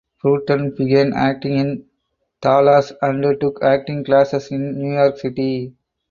Bruton began acting in Dallas and took acting classes in New York City.